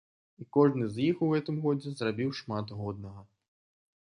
І кожны з іх у гэтым годзе зрабіў шмат годнага.